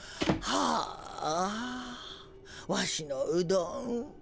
はぁわしのうどん。